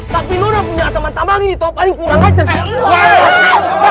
tapi lu udah punya ataman tamang ini tau paling kurang aja sih